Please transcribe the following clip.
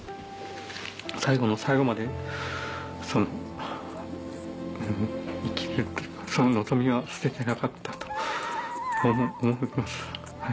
最後の最後までその生きる望みは捨ててなかったと思います。